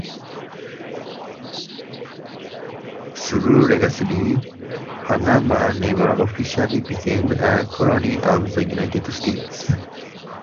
Through legality, Panama never officially became a colony of the United States.